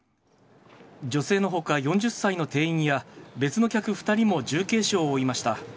女性のほか４０歳の店員や別の客２人も重軽傷を負いました。